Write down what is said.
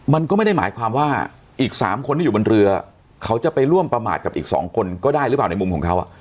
มันก็ไม่ได้หมายความว่าอีก๓คนที่อยู่บนเรือเขาจะไปร่วมประมาทกับอีก๒คนก็ได้หรือเปล่าในมุมของเขา